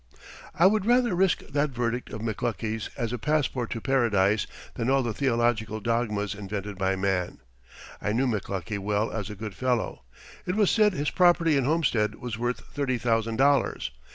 I would rather risk that verdict of McLuckie's as a passport to Paradise than all the theological dogmas invented by man. I knew McLuckie well as a good fellow. It was said his property in Homestead was worth thirty thousand dollars.